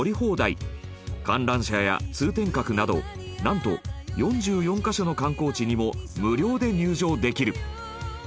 観覧車や通天閣などなんと４４カ所の観光地にも無料で入場できる。